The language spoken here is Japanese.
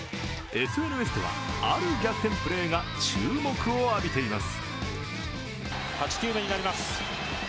ＳＮＳでは、ある逆転プレーが注目を浴びています。